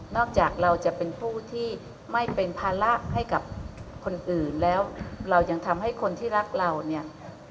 จากเราจะเป็นผู้ที่ไม่เป็นภาระให้กับคนอื่นแล้วเรายังทำให้คนที่รักเราเนี่ย